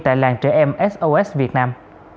tại làng trẻ em sos việt nam